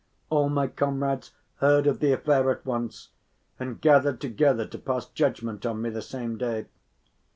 All my comrades heard of the affair at once and gathered together to pass judgment on me the same day.